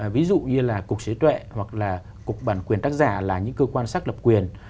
ví dụ như là cục chế tuệ hoặc là cục bản quyền tác giả là những cơ quan xác lập quyền